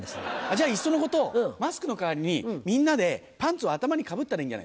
じゃあいっそのことマスクの代わりにみんなでパンツを頭にかぶったらいいんじゃないんですか？